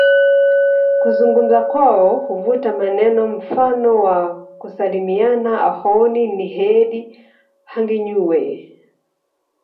Kuzungumza kwao huvuta maneno mfano wa kusalimiana Ahooni niheedi hanginyuwe